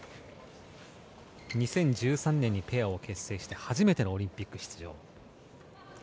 ２０１３年にペアを結成して初めてのオリンピック出場。